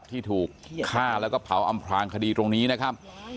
ที่ถูกฆ่าแล้วก็เผาอำพลางคดีตรงนี้นะครับ